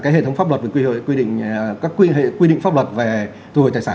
các quy định pháp luật về thu hồi tài sản